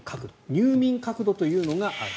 入眠角度というのがある。